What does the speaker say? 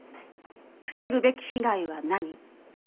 防ぐべき被害は何？